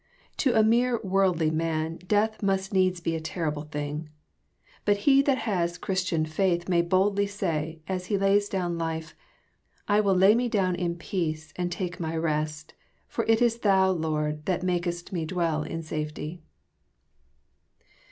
To a mere worldly man death must needs be a terrible^hing ; but he that has Christian faith may boldly say, as he lays down life, ^^ I will lay me down in peace, and take my rest : for it is Thou, Lord, that makest me dwell in safety."